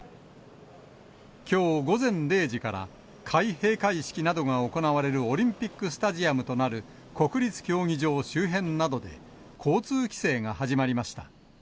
きょう午前０時から、開閉会式などが行われるオリンピックスタジアムとなる、国立競技場周辺などで、交通規制が始まりました。